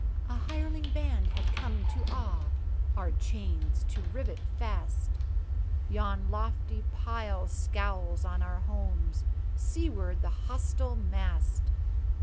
A hireling band had come to awe, Our chains to rivet fast; Yon lofty pile scowls on our homes, Seaward the hostile mast.